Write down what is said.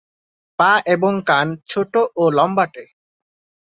পা এবং কান ছোট ও লম্বাটে।